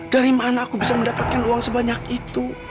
dari mana aku bisa mendapatkan uang sebanyak itu